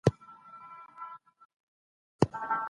زموږ هدف د ښه والي ترلاسه کول دي.